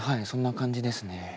そんな感じですね。